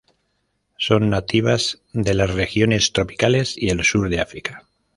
Son nativas de las regiones tropicales y el sur de África.